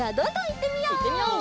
いってみよう！